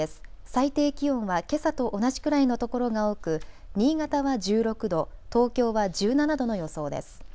最低気温はけさと同じくらいの所が多く新潟は１６度、東京は１７度の予想です。